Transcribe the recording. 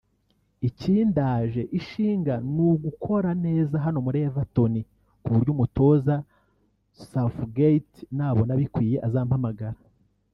Ikindaje ishinga ni ugukora neza hano muri Everton ku buryo umutoza Southgate nabona bikwiye azampamagara